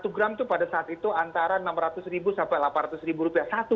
satu gram itu pada saat itu antara enam ratus rupiah delapan ratus ribu rupiah